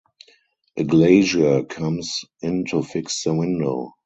A glazier comes in to fix the window.